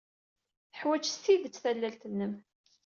Teḥwaj s tidet tallalt-nnem.